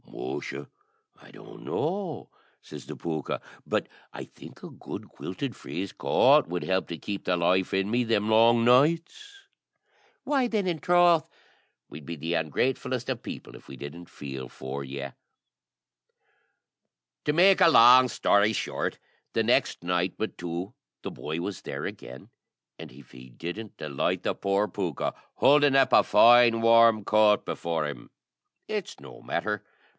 "Musha, I don't know," says the pooka; "but I think a good quilted frieze coat would help to keep the life in me them long nights." "Why then, in troth, we'd be the ungratefullest of people if we didn't feel for you." To make a long story short, the next night but two the boy was there again; and if he didn't delight the poor pooka, holding up a fine warm coat before him, it's no mather!